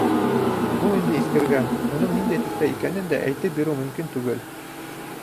Ул инде иҫкергән, уның ниндәй төҫтә икәнен дә әйтеп биреү мөмкин түгел.